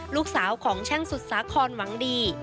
ลูกสาวของช่างสุดสาครหวังดี